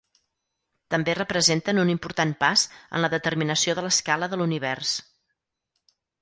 També representen un important pas en la determinació de l'escala de l'univers.